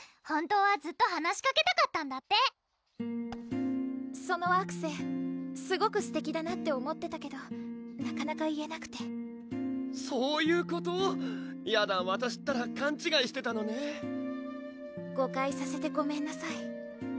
本当はずっと話しかけたかったんだってそのアクセすごくすてきだなって思ってたけどなかなか言えなくてそういうこと⁉やだわたしったらかんちがいしてたのね誤解させてごめんなさい